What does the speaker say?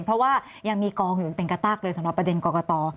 เพราะว่ายังมีกองอยู่เป็นกระตากเลยสำหรับประเด็นกรกต